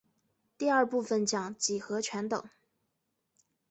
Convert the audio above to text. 第二部份讲几何全等。